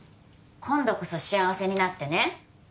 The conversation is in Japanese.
今度こそ幸せになってね